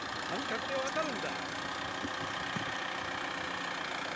感覚で分かるんだ。